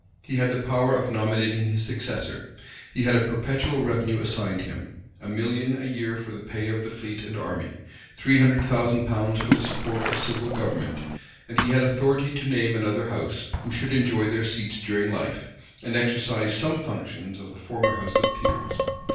He had the power of nominating his successor; he had a perpetual revenue assigned him, a million a year for the pay of the fleet and army, three hundred thousand pounds for the support of civil government; and he had authority to name another house, who should enjoy their seats during life, and exercise some functions of the former house of peers.